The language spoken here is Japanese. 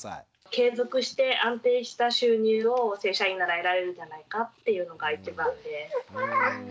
継続して安定した収入を正社員なら得られるんじゃないかっていうのが一番で。